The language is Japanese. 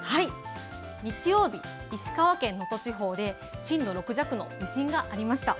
日曜日、石川県能登地方で震度６弱の地震がありました。